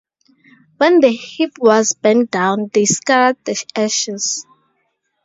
When the heap was burnt down, they scattered the ashes.